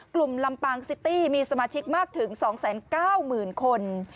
ลำปางซิตี้มีสมาชิกมากถึง๒๙๐๐๐คน